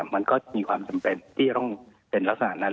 มันก็มีความจำเป็นที่จะต้องเป็นลักษณะนั้น